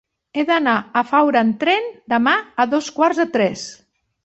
He d'anar a Faura amb tren demà a dos quarts de tres.